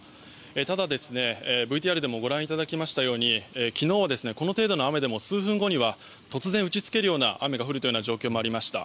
ただ、ＶＴＲでもご覧いただきましたように昨日、この程度の雨でも数分後には突然、打ち付けるような雨が降る場面もありました。